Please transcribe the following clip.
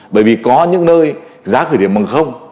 bởi vì có những nơi giá khởi điểm bằng không